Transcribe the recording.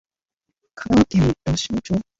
香川県土庄町